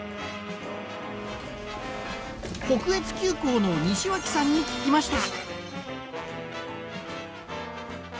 北越急行の西脇さんに聞きました。